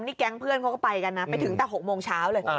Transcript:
นี่แก๊งเพื่อนเขาก็ไปกันนะไปถึงแต่๖โมงเช้าเลย